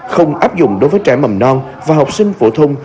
không áp dụng đối với trẻ mầm non và học sinh phổ thông